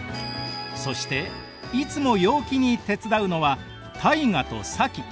そしていつも陽気に手伝うのは汰雅と早紀。